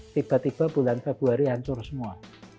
tiba tiba bulan februari hancur semua